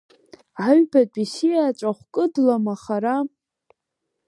Аҩбатәи сиеҵәахә кыдлама хара?